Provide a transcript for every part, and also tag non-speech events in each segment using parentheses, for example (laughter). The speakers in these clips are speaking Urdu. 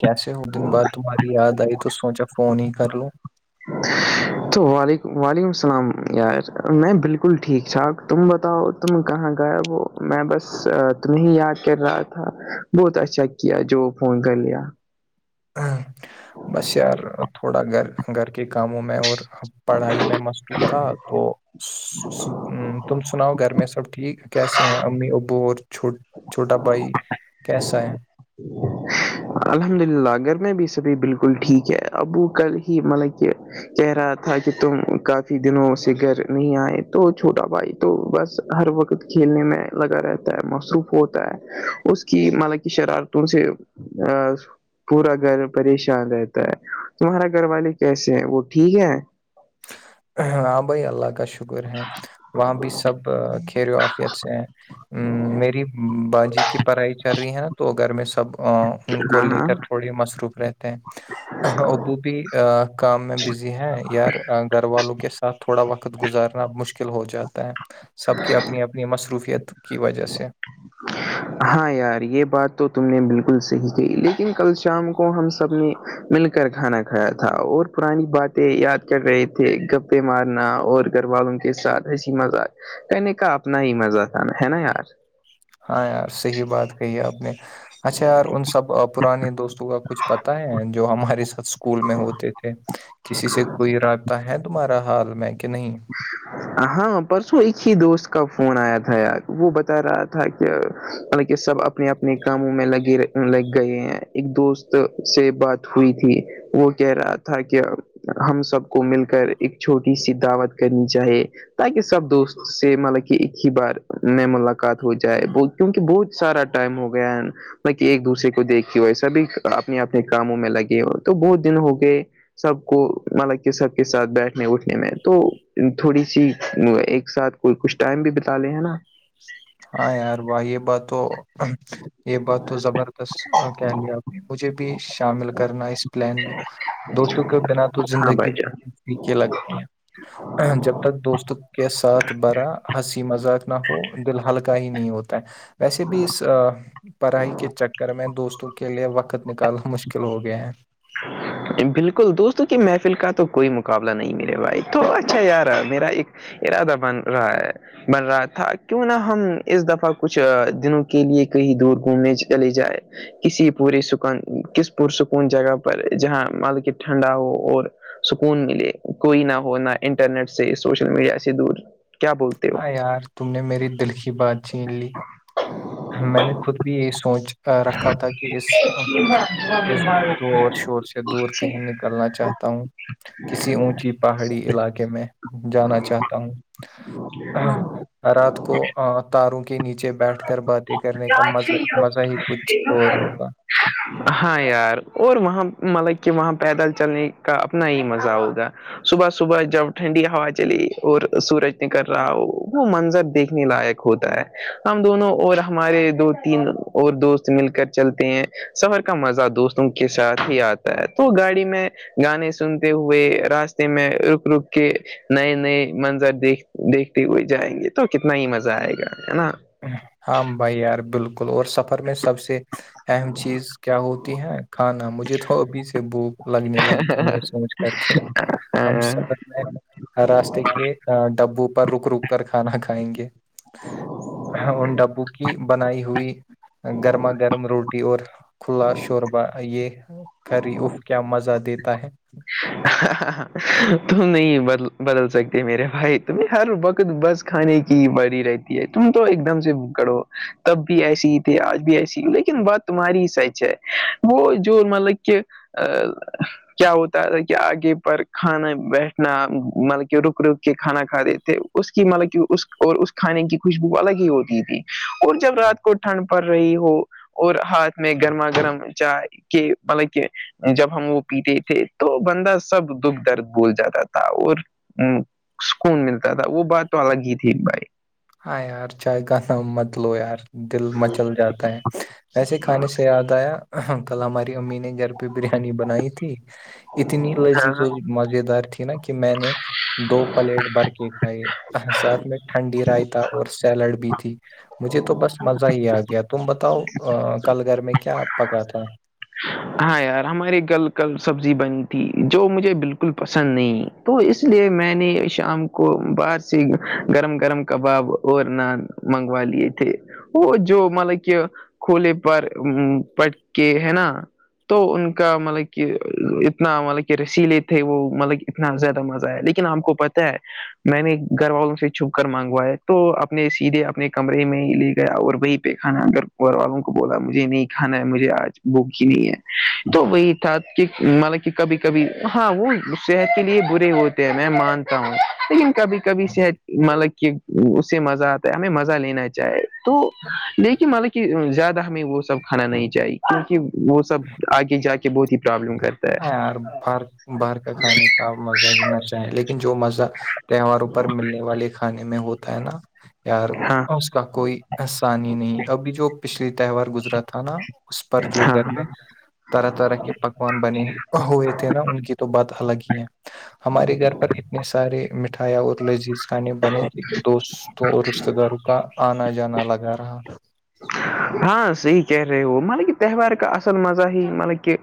کیسے ہو دن بعد تمہاری یاد آئی تو سوچا فون ہی کرلوں تو وعلیکم وعلیکم السلام یار میں بالکل ٹھیک ٹھاک تم بتاؤ تم کہاں گایا وہ میں بس تمہیں یاد کر رہا تھا بہت اچھا کیا جو فون کر لیا بس یار تھوڑا گھر گھر کے کاموں میں اور ا پڑھائی میں مستوب تھا تو تم سناؤ گھر میں سب ٹھیک کیسے ہیں امی ابو اور چھوٹ چھوٹا بھائی کیسا ہے الحمد للہ ا گھر میں بھی سبھی بالکل ٹھیک ہے ابو کل ہی مطلب کہ کہہ رہا تھا کہ تم کافی دنوں سے گھر نہیں آئے تو چھوٹا بھائی تو بس ہر وقت کھیلنے میں لگا رہتا ہے مصروف ہوتا ہے اس کی مطلب کی شرارتوں سے ا پورا گھر پریشان رہتا ہے تمہارا گھر والے کیسے ہیں وہ ٹھیک ہے ہاں بھائی اللہ کا شکر ہے وہاں بھی سب فیت سے ہیں میری باجی کی پڑھائ کر رہی ہیں نا تو گھر میں سب ان کو ہاں لے ہاں کر تھوڑی مصروف رہتے ہیں ابو بھی کام میں بزی ہے یار گھر والوں کے ساتھ تھوڑا وقت گزارنا مشکل ہو جاتا ہے سب کی اپنی اپنی مصروفیت کی وجہ سے (inaudible) ہاں یار یہ بات تو تم نے بالکل صحیح کہی لیکن کل شام کو ہم سب نے مل کر کھانا کھایا تھا اور پرانی باتیں یاد کر رہے تھے گپے مارنا اور گھر والوں کے کے ساتھ ایسی مزہ کہنے کا اپنا ہی مزہ تھا ن ہے نا یار ہاں یار صحیح بات کہی آپ نے اچھا یار ان سب پرانے دوستوں کا کچھ پتا ہے جو ہمارے س اسکول میں ہوتے تھے کسی سے کوئی رابطہ ہے تمہارا حال میں کہ نہیں ہ ہاں پرسوں ایک ہی دوست کا فون آیا تھا یار وہ بتا رہا تھا کہ ہمیں کہ سب اپنے اپنے کاموں میں لگے لگ گئے ہیں ایک دوست سے بات ہوئی تھی وہ کہہ رہا تھا کہ ہم سب کو مل کر ایک چھوٹی سی دعوت کرنی چاہے تاکہ سب دوست سے مطلب کہ ایک ہی بار میں ملاقات ہو جائے بو کیونکہ بہت سارا ٹائم ہو گیا ہے بط کہ ایک دوسرے کو دیکھے ہو سب اپنے اپنے کاموں میں لگے ہو تو بہت دن ہو گئے سب کو مطلب کہ سب کے ساتھ بیٹھنے اٹھنے میں تو تھوڑی سی ایک ساتھ کوئی کچھ ٹائم بھی بتا لے ہے نا ہاں یار بھای یہ بات تو یہ بات تو زبردست کہہ لیا آپ نے مجھے بھی شامل کرنا اس پلان میں دوستوں کے بنا تو ہاں زندگی بھائی جان پیکھی لگتی ہے جب تک دوستو کے ساتھ برا ہنسی مذاق نہ ہو دل ہلکا ہی نہیں ہوتا ہے ویسے بھی اس پڑھائی کے چکر میں دوستوں کے لیے وقت نکالنا مشکل ہو گئے ہیں بالکل دوستوں کی محفل کا تو کوئی مقابلہ نہیں میرے بھائی تھوڑا اچھا یارا میرا ایک ارادہ بن رہا ہے بن رہا تھا کیوں نہ ہم اس دفعہ کچھ دنوں کے لیے کہیں دور گھومنے چلے جائے کسی پوری سکون کس پرسکون جگہ پر جہاں مطلب کے ٹھنڈا ہو اور سکون ملے کوئی نہ ہونا انٹرنیٹ سے سوشل میڈیا سے دور کیا بولتے ہو ہاں یار تم نے میری دل کی بات چھین لی میں نے خود بھی یہی سوچھ رکھا تھا کہ اس اس اور شور سے دور کہیں نکلنا چاہتا ہوں کسی اونچی پہاڑی علاقے میں جانا چاہتا ہوں رات کو تاروں کے نیچے بیٹھ کر بات کرنے کا مز اچھا مزہ ہی کچھ اور ہوگا ہاں یار اور وہاں مطلب کہ وہاں پیدل چلنے کا اپنا ہی مزہ ہوگا صبح صبح جب ٹھنڈی ہوا چلی اور سورج نے کر رہا وہ منظر دیکھنے لائق ہوتا ہے ہم دونوں اور ہمارے دو تین اور دوست مل کر چلتے ہیں سفر کا مزہ دوست تو کے ساتھ ہی آتا ہے تو گاڑی میں گانے سنتے ہوئے راستے میں رک رک کے نئے نئے منظر دیکھ دیکھتے ہوئے جائیں گے تو کتنا ہی مزہ آئے گا ہے نا ہاں بھائی یار بالکل اور سفر میں سب سے اہم چیز کیا ہوتی ہے کھانا مجھے تھابی سے بھوک لگنے لگتی ہے سوچھ کر کے ہم سفر میں ہ راستے کے ڈبو پر رک رک کر کھانا کھائیں گے ہاں ہ ان ڈبوں کی بنائی ہوئی گرما گرم روٹی اور کھلا شوربہ یہ خری اف کیا مزہ دیتا ہے ت نہیں بدل سکتے میرے بھائی تم ہر وقت بس کھانے کی پڑی رہتی ہے تم تو ایک دم سے ب کرو تب بھی ایسسی ہی تھے آج بھی ایسی لیکن بات تو تمہاری سچھ ہے وہ جو مطلب کہ کیا ہو کہ آگے پر کھانا بیٹھنا مطلب کے رک رک کے کھانا کھا دیتےے اس کی مطلب اس اور اس کھانے کی خوشبو الگ ہی ہوتی تھی اور جب رات کو ٹھنڈ پڑ رہی ہو اور ہاتھ میں گرما گرم چائے کے مطلب کہ جب ہم وہ پیتے تھے تو بندہ سب دکھ درد بول جاتا تھا اور ہ سکون ملتا تھا وہ بات تو الگ ہی تھی بھائی ہاں یار چائے کا نام مت لو یار دل مچل جاتا ہے وسے کھانے سے یاد آیا کل ہماری امی نے گھر پہ بریانی بنائی تھی اتنی لذیذ و مز دار تھی نا کہ میں نے دو پلیٹ برک ساتھ میں ٹھنڈی رائے تھا اور سیلڈ بھی تھی مجھے تو بس مزہ ہی آ گیا تم بتاؤ کل گھر میں کیا پکا تھا ہاں یار ہمارے گھر کل سبزی بنی تھی جو مجھے بالکل پسند نہیں تو اس لیے میں نے شام کو باہر سے گرم گرم کباب اور نان منگوا لیے تھے وہ جو مطلب کہ کھولے پر ا پٹ کے ہے نا تو ان کا مطلب کہ اتنا مطلب کہ رسیلے تھے وہ مطلب اتنا زیادہ مزہ ہے لیکن آپ کو پتا ہے میں نے گھر والوں سے چھپ کر مانگوا ہے تو اپنے سیدھے اپنے کمرے میں ہی لے گیا اور وہی پہ کھانا ا گھر گھر والوں کو بولا مجھے نہیں کھانا ہے مجھے آج بوک نہیں ہے تو وہی تھا کہ مطلب کہ کبھی کبھی ہاں وہ صحت کے لیے برے ہوتے میں مانتا ہوں لیکن کبھی کبھی شت مطلب کہ اس سے مزہ آتا ہمیں مزہ لینا چاہے تو لیکن مطلب کہ زیادہ ہمیں وہ سب کھانا نہیں چاہیے کیونکہ وہ سب آگے جا کے بہت ہی پرابلم ہے کرتا اار باہر باہر کا کھانے کا مزہ ہی مچاہ ہے لیکن جو مزہ تہواروں پر ملنے والے کھانے میں ہوتا ہے نا یار ہاں اس کا کوئی احسان ہی نہیں ابھی جو پچھلی تہوار گزرا تھا نا اس پر جو ہاں گھر ہاں میں طرح طرح کے پکوان بنے ہوئے تھے نا ان کی تو بات الگ ہی ہے ہمارے گھر پر اتنے سارے مٹھایاں اور لذیذ کھانے بنے تھے کہ دو تو رشتتے داروں کا آنا جانا لگا رہا ہاں صحی کہہ رہے ہو مطلب کہ تہوار کا اصل مزہ ہی مطلب کہ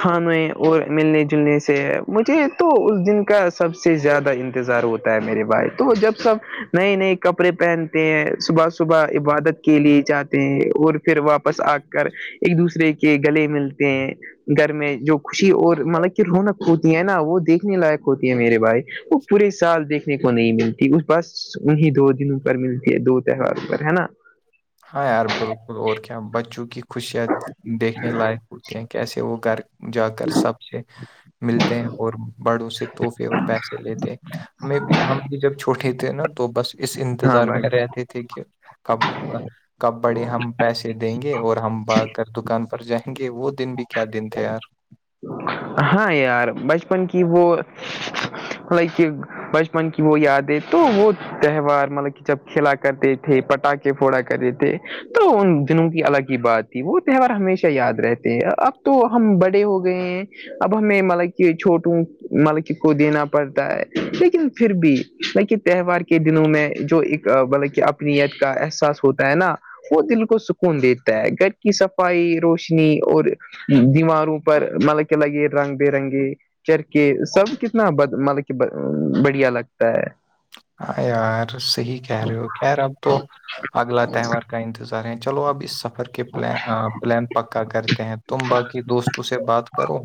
کھانے اور ملنے جلنے سے مجھے تو اس دن کا سب سے زیادہ انتظار ہوتا ہے میرے بھائی تو جب سب نئے نئے کپڑے پہن ہیں صبح صبح عبادت کے لیے جاتے ہیں اور پھر واپس آ کر ایک دوسرے کے گلے ملتے ہیں گھر میں جو خوشی اور مطلب کہ رونق ہوتی ہے نا وہ دیکھنے لائق ہوتی ہے میرے بھائی وہ پورے سال دیکھنے کو نہیں ملتی اس بس انہیں دو دنوں پر ملتی ہے دو تہواروں پر ہے نا ہاں یار بالکل اور کیا بچوں کی خوشیاں دیکھنے لائق ہوتی ہیں کیسے وہ گھر جا کر سب سے ملتے ہیں اور بڑوں سے توحفے اور پیسے لیتے ہمیں بھی ہم بھی جب چھوٹے تھے نا تو بس اس ہاں انتظار بھائی میں رہتی تھی کہ کب کب بڑے ہم پیسے دیں گے اور ہم با کر دکان پر جائیں گے وہ دن بھی کیا دن تھے یار ہاں یار بچپن کی وہ مط بچپن کی وہ یاد ہے تو وہ تہوار مطلب کہ جب کھیلا کرتے تھے پٹاخے پھوڑا کرتے تھے تو ان دنوں کی الگ ہی بات وہ تہوار ہمیشہ یاد رہتے ہیں اب تو ہم بڑے ہو گئے ہیں اب ہمیں مطلب کہ چھوٹوں مطلب کو دینا پڑتا ہے لیکن پھر بھی لیکن تہوار کے دنوں میں جو ایک بطلب کہ اپنیت کا احساس ہوتا ہے نا وہ دل کو سکون دیتا ہے گھر کی صفائی روشنی اور دیواروں پر مل کے لگے رنگ برنگی کر کے سب کتنا مطلب کہ بڑھیا لگتا ہے ہاں یار صحیح کہہ رہے ہو خیر اب تو اگلا تہوار کا انتظار رہ ہیں چلو اب اس سفر کے پل آپ پلان پکا کرتے ہیں تم باقی دوستوں سے بات کرو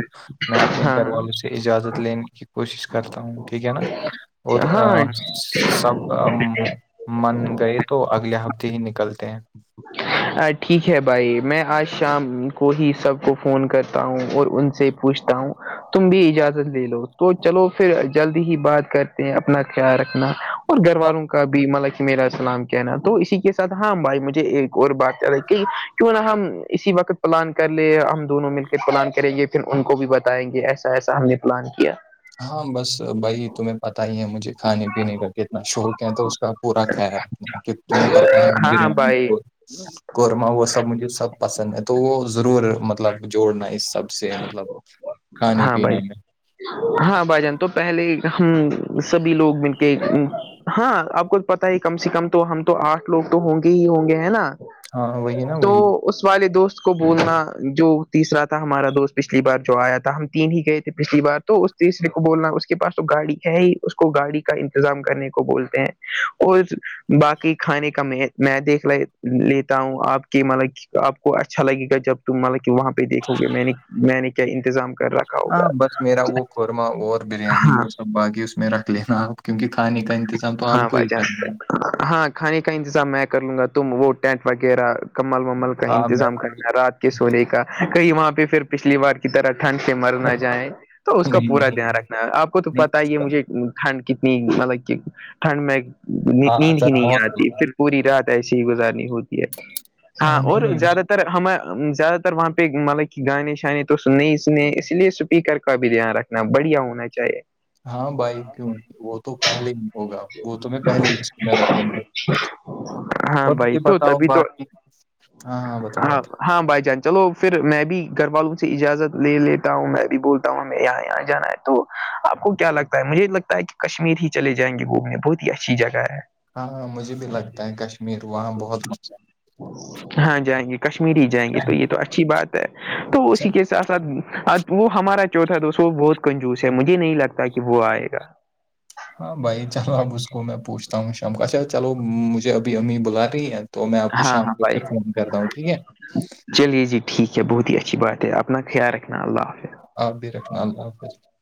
میں اپنے گھر ہاں والوں سے اجازت لینے کی کوشش کرتا ہوں ٹھیک ہے نا اور ہاں سب من گئے تو اگلے ہفتے ہی نکلتے ہیں ٹھیک ہے بھائی میں آج شام کو ہی سب کو فون کرتا ہوں اور ان سے پوچھتا ہوں تم بھی اجازت لے لو تو چلو پھر جلدی ہی بات کر اپنا خیال رکھنا اور گھر ہاں والوں کا بھی مطلب میرا سلام کہنا تو اسی کے ساتھ ہاں بھائی مجھے اور بات چ رہی کہ کیوں نہ ہم اسی وقت پلان کر لے ہم دونوں مل کے پلان کریں یہ پن ان کو بھی بتائیں گے ایسا ایسا ہم نے پلان کیا ہاں بس بھائی تمہیں پت ہی ہے مجھے کھانے پینے کا کتنا شوق کہ تو اس کا پورا خیال رکھنا کہ تمہیں پتتا ہی ہے ہاں بریانی بھائی کو قورمہ وہ سب مجھے سب پسند ہے تو وہ ضرور مطلب جوڑنا ہے اس سب سے مطلب کھانے ہاں بھائی پینے میں ہاں بھائی جان تو پہلے ہم سبھی لوگ مل کے ہاں آپ کو پتا ہی کم سے کم تو ہم تو آٹھ لوگ تو ہوں گے ہی ہوں گے ہے نا ہاں وہی نا تو وہی اس والے دوست کو بولنا جو تیسرا تھا ہمارا دوست پچھلی بار جو آیا تھا ہم تین ہی گئے تھے پچھلی بار تو اس تیسرے کو بولنا اس کے پاس تو گاڑی ہے ہی اس کو گاڑی کا انتظام کرنے کو بولتے ہیں اور باقی کھانے کا میں میں دیکھ لا لیتا ہوں آپ کے ملب کی (unintelligible) آپ کو اچھا لگے گا جب تم مطلب کہ وہاں پہ دیکھو گے میں نے میں نے کیا انتظام کر رکھا ہوگا ہاں بس میرا وہ قورمہ اور بریانی ہاں وہ سب باقی اس میں رکھ لینا آپ کیونکہ کھانے کا انتظام تو آپ ہاں کو بھائی ہی کرنا جان ہے ہاں کھانے کا انتظام میں کر لوں گا تم وہ ٹینٹ وغیرہ کمل ومل کا ہاں میں انتظام کرنا رات کے سونے کا کہیں وہاں پہ پھر پچھلی بار کی طرح ٹھنڈ سے مر نہ جائیں تو اس کا نہیں پورا نہیں دھیان رکھنا ہے آپ کو تو نہیں پتا اس ہی ہے کا- مجھے ٹھنڈ کتنی مطلب کہ ٹھنڈ میں ہاں نیند ہی اثر نہیں بہت ہوتا آتی پھر پوری رات ایسی ہی گزارنی ہوتی ہے ہے. ہاں اور نہیں نہیں زیادہ اس- تر ہمیں زیادہ تر وہاں پہ مطلب کہ گانے شانے تو سننے ہی اس نے اس لیے اسپیکر کا بھی دھیان رکھنا بڑھیا ہونا چاہیے ہاں بائی کیوں وہ تو پہلے ہی ہوگا وہ تو میں پہلی لسٹ میں رکھوں گی ہاں بھائی تو تبھی تو باقی ہاں ہاں بتاؤ آپ. ہاں ہاں بھائی جان چلو پھر میں بھی گھر والوں سے اجازت لے لیتا ہوں میں بھی بولتا ہوں ہمیں یہاں یہاں جانا ہے تو آپ کو کیا لگتا ہے مجھے لگتا ہے کہ کشمیر ہی چلے جائیں گے گھومنے بہت ہی اچھی جگہ ہے ہاں ہاں مجھے بھی لگتا ہے کشمیر وہاں بہت مزہ ہے ہاں جائیں گے کشمیری ہی جائیں گے تو یہ تو اچھی بات ہے تو ہے اسی کے ساتھ ساتھ وہ ہمارا چوتھا دوست وہ بہت کنجوس ہے مجھے نہیں لگتا کہ وہ آئے گا ہاں بھائی چلو اب اس کو میں پوچھتا ہوں شام کا اچھا چلو مجھے ابھی امی بلا رہی ہے تو میں آپ کو ہاں شام ہاں کو بھائی پھر فون کرتا ہوں ٹھیک ہے چلیے جی ٹھیک ہے بہت ہی اچھی بات ہے اپنا خیال رکھنا اللہ حافظ آبی رکھنا اللہ حافظ رکھ (unintelligible)